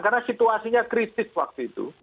karena situasinya kritis waktu itu